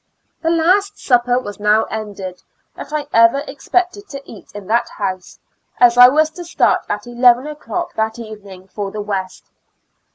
The last supper was now ended that I ever expected to eat in that house, as I was IjV a L una tic Asyltjil 173 to start at eleven o^clock that eyening for the west.